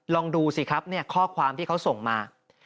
ลองดูสิครับข้อความที่เขาส่งมา